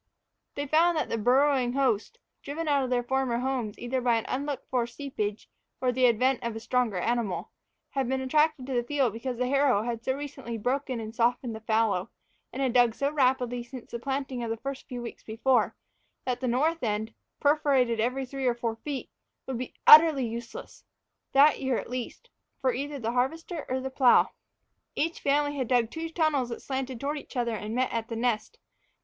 They found that the burrowing host, driven out of their former homes either by an unlooked for seepage or the advent of a stronger animal, had been attracted to the field because the harrow had so recently broken and softened the fallow, and had dug so rapidly since the planting of a few weeks before, that the north end, perforated every three or four feet, would be utterly useless, that year at least, for either the harvester or the plow. Each family had dug two tunnels that slanted toward each other and met at the nest.